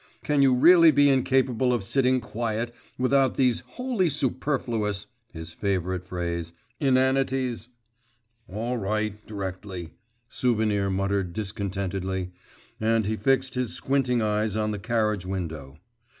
Can you really be incapable of sitting quiet without these "wholly superfluous" (his favourite phrase) inanities?' 'All right, d'rectly,' Souvenir muttered discontentedly, and he fixed his squinting eyes on the carriage window.